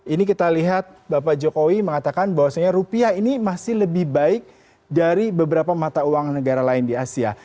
ini kita lihat bapak jokowi mengatakan bahwasanya rupiah ini masih lebih baik dari beberapa mata uang negara lain di asia